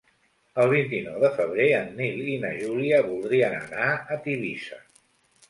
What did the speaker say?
El vint-i-nou de febrer en Nil i na Júlia voldrien anar a Tivissa.